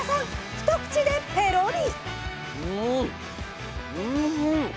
一口でペロリ。